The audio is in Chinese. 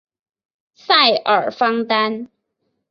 塞尔方丹。